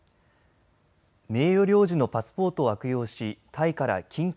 名誉領事のパスポートを悪用しタイから金塊